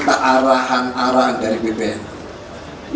arang arang dari bwn ojt